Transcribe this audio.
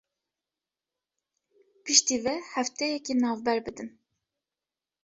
Piştî vê hefteyekî navber bidin